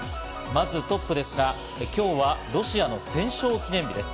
まずトップですが、今日はロシアの戦勝記念日です。